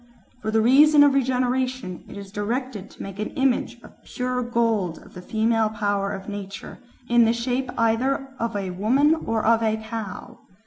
"For the purpose of regeneration it is directed to make an image of pure gold of the female power of nature, in the shape either of a woman or of a cow.